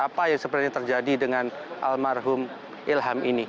apa yang sebenarnya terjadi dengan almarhum ilham ini